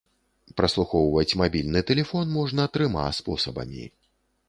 Праслухоўваць мабільны тэлефон можна трыма спосабамі.